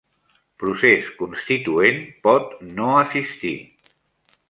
Procés Constituent pot no assistir